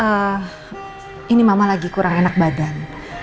eh ini mama lagi kurang enak badan